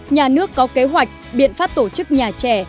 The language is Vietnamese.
nhà nước có kế hoạch biện pháp tổ chức nhà trẻ